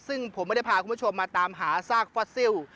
ซึ่งผมไม่ได้พาคุณผู้ชมมาตามหาซากฟอสซิล